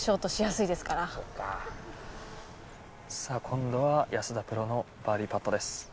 さあ今度は安田プロのバーディパットです。